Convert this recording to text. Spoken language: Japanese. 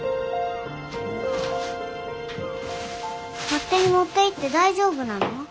勝手に持っていって大丈夫なの？